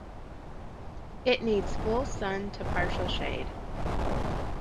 It needs full sun to partial shade.